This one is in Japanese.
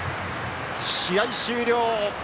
試合終了。